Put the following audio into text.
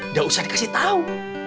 udah usah dikasih tau